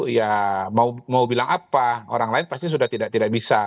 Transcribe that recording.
ya mau bilang apa orang lain pasti sudah tidak bisa